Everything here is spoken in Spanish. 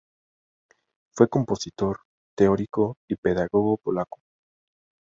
Fue compositor, teórico y pedagogo polaco.